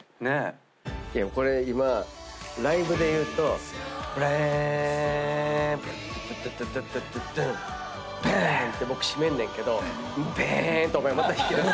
いやこれ今ライブでいうと「ベーンドドドドドドドゥンベン！」って僕締めんねんけど「ベーン」ってお前また弾きだす。